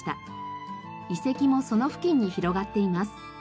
遺跡もその付近に広がっています。